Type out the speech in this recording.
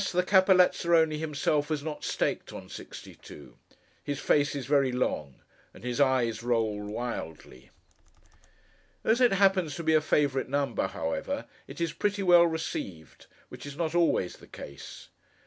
the Capo Lazzarone himself has not staked on sixty two. His face is very long, and his eyes roll wildly. As it happens to be a favourite number, however, it is pretty well received, which is not always the case.